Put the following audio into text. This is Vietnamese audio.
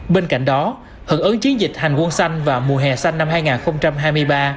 bên cạnh đó hợp ứng chiến dịch hành quân xanh và mùa hè xanh năm hai nghìn hai mươi ba